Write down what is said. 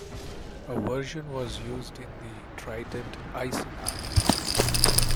A version was used in the Trident Iceni.